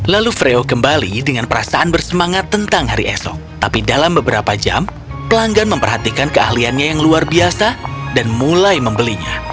lalu freo kembali dengan perasaan bersemangat tentang hari esok tapi dalam beberapa jam pelanggan memperhatikan keahliannya yang luar biasa dan mulai membelinya